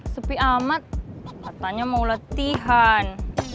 sepi amat katanya mau latihan